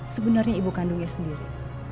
sebenarnya ibu kandungnya sendiri